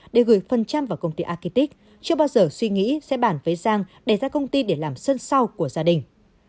để gửi phần trăm vào công ty architik chưa bao giờ suy nghĩ sẽ bàn với giang để ra công ty để làm sân sau của gia đình